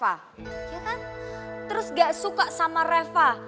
kita kan terus gak suka sama reva